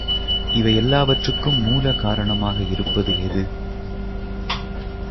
இவை எல்லாவற்றுக்கும் மூல காரணமாக இருப்பது எது?